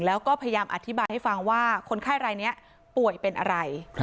แล้วก็พยายามอธิบายให้ฟังว่าคนไข้รายนี้ป่วยเป็นอะไร